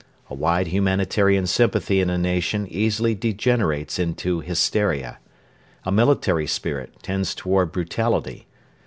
A wide humanitarian sympathy in a nation easily degenerates into hysteria. A military spirit tends towards brutality.